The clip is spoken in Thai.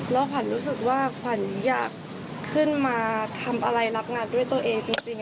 แล้วขวัญรู้สึกว่าขวัญอยากขึ้นมาทำอะไรรับงานด้วยตัวเองจริง